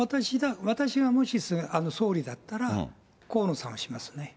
私がもし総理だったら、河野さんをしますね。